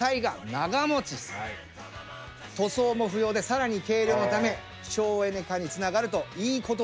塗装も不要で更に軽量のため省エネ化につながるといいこと